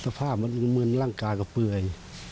สภาพมันเหมือนร่างกายก็เปื่อย